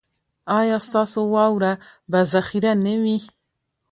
ایا ستاسو واوره به ذخیره نه وي؟